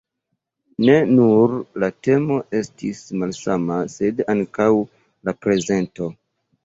Ne nur la temo estis malsama, sed ankaŭ la prezento.